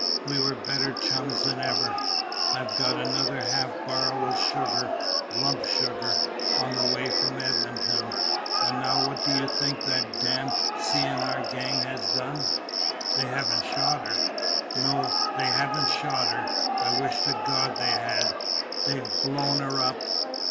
We were better chums than ever. I've got another half barrel of sugar lump sugar on the way from Edmonton. An' now what do you think that damned C.N.R. gang has done?" "They haven't shot her?" "No, they haven't shot her. I wish to God they had! They've _blown her up!